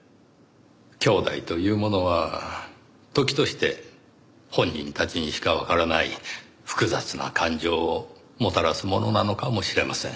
兄弟というものは時として本人たちにしかわからない複雑な感情をもたらすものなのかもしれません。